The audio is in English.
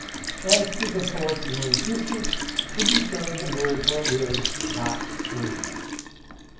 As to the poet's main thesis, to be sure the miracle is "not proved."